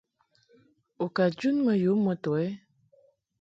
U ka jun mɨ yu moto ɛ ?